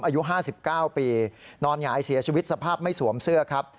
อายุ๕๙ปีนอนหงายเสียชีวิตสภาพไม่สวมเสื้อครับ